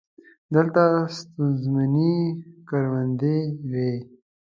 دلته ستونزمنې کروندې وې.